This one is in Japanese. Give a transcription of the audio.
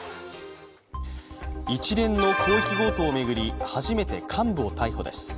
一連の広域強盗を巡り初めて幹部を逮捕です。